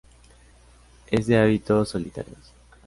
Es de hábitos solitarios.